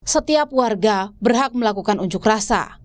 setiap warga berhak melakukan unjuk rasa